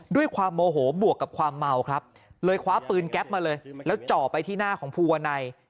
ด้วยความโมโหบวกกับความเมาครับเลยคว้าปืนแก๊ปมาเลยแล้วจ่อไปที่หน้าของภูวนัย